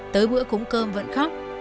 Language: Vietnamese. tới bữa cúng cơm vẫn khóc